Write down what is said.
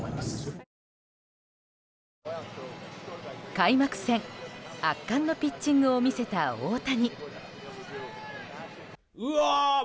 開幕戦、圧巻のピッチングを見せた大谷。